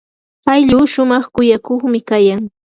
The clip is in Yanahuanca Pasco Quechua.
ayllua shumaq kuyakuqmi kayan.